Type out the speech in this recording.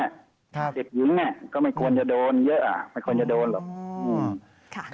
เด็กหญิงก็ไม่ควรจะโดนเยอะอ่ะไม่ควรจะโดนหรอก